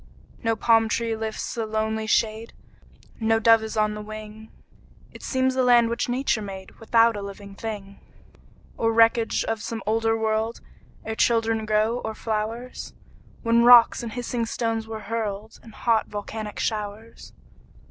No palm tree lifts a lonely shade, No dove is on the wing; It seems a land which Nature made Without a living thing, Or wreckage of some older world, Ere children grew, or flowers, When rocks and hissing stones were hurled In hot, volcanic showers.